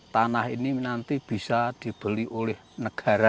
tanah ini nanti bisa dibeli oleh negara